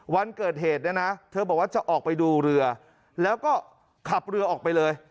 วันเกิดเหตุจะออกไปดูเรือแล้วคับเรือออกไปเลย